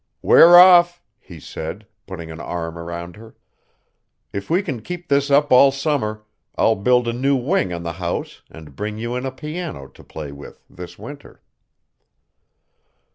"We're off," he said, putting an arm around her. "If we can keep this up all summer, I'll build a new wing on the house and bring you in a piano to play with this winter."